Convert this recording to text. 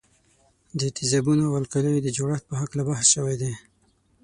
د تیزابونو او القلیو د جوړښت په هکله بحث شوی وو.